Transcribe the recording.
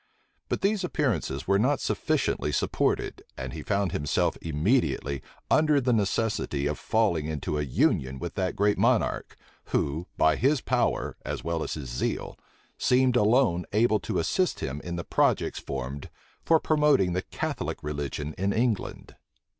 But these appearances were not sufficiently supported; and he found himself immediately under the necessity of falling into a union with that great monarch, who, by his power as well as his zeal, seemed alone able to assist him in the projects formed for promoting the Catholic religion in England.